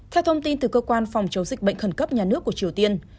theo thông tin từ cơ quan phòng chống dịch bệnh khẩn cấp nhà nước của triều tiên